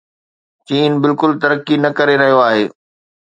چين بلڪل ترقي نه ڪري رهيو آهي.